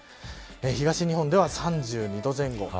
東日本では３２度前後。